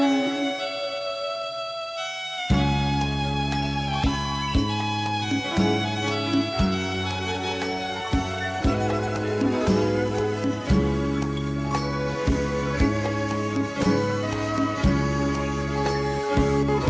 ไม่ใช้ค่ะ